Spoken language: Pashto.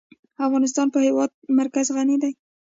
افغانستان په د هېواد مرکز غني دی.